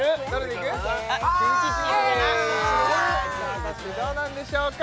果たしてどうなんでしょうか？